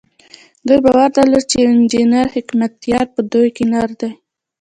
دوی باور درلود چې يو انجنير حکمتیار په دوی کې نر دی.